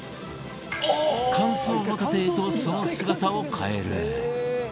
乾燥ホタテへとその姿を変える